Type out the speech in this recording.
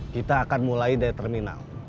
kita akan mulai dari terminal